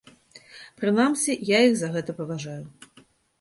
Прынамсі, я іх за гэта паважаю.